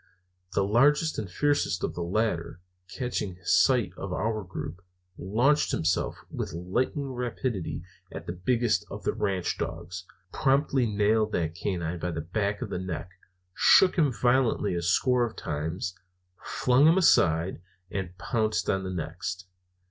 The largest and fiercest of the latter, catching sight of our group, launched himself with lightning rapidity at the biggest of the ranch dogs, promptly nailed that canine by the back of the neck, shook him violently a score of times, flung him aside, and pounced on the next.